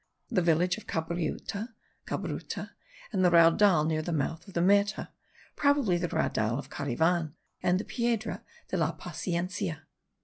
the village of Cabritu (Cabruta), and the Raudal near the mouth of the Meta (probably the Raudal of Cariven and the Piedra de la Paciencia).